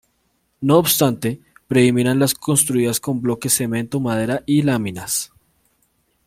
No obstante predominan las construidas con bloque, cemento, maderas y láminas.